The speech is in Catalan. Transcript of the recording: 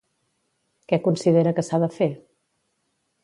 Què considera que s'ha de fer?